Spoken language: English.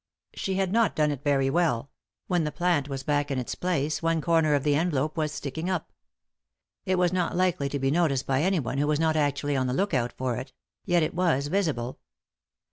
She had not done it very well ; when the plant was back in its place one comer of the envelope was sticking op. It was not likely to be noticed by anyone who was not actually on the look out for it ; yet it was risible.